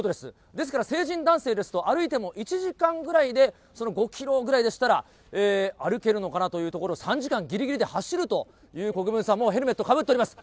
ですから、成人男性ですと、歩いても１時間ぐらいで、その５キロぐらいでしたら、歩けるのかなというところ、３時間ぎりぎりで走るという国分さん、もうヘルメットかぶってます。